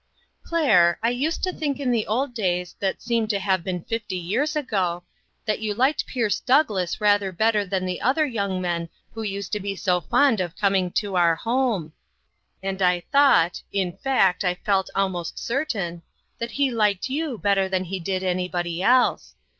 " Claire, I used to think in the old days that seem to have been fifty years ago, that you liked Pierce Douglass rather better than the other young men who used to be so fond of coming to our home; and I LOST FRIENDS. 245 thought in fact, I felt almost certain that he liked you better than he did any body else.